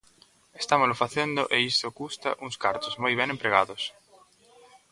Estámolo facendo e iso custa uns cartos, moi ben empregados.